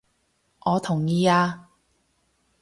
我同意啊！